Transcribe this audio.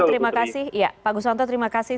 terima kasih pak guswanto terima kasih